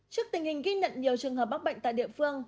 trước tình hình ghi nhận nhiều trường hợp bắc bệnh tại địa phương